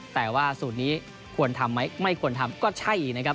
แต่ว่าสูตรนี้ควรทำไหมไม่ควรทำก็ใช่นะครับ